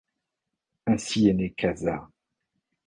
Ainsi est née Casa.